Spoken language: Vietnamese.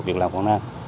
việc làm quảng nam